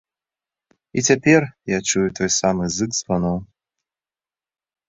І цяпер я чую той самы зык званоў.